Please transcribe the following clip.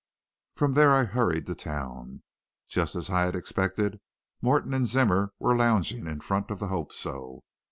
"From there I hurried to town. Just as I had expected, Morton and Zimmer were lounging in front of the Hope So.